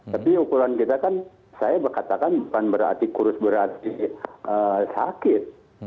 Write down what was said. tapi ukuran kita kan saya berkatakan bukan berarti kurus berarti sakit